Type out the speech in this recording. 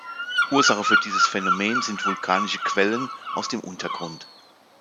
Ursache für dieses Phänomen sind vulkanische Quellen aus dem Untergrund.